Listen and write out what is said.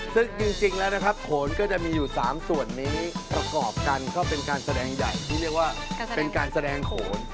ซึ่งจริงแล้วนะครับโขนก็จะมีอยู่๓ส่วนนี้ประกอบกันก็เป็นการแสดงใหญ่ที่เรียกว่าเป็นการแสดงโขน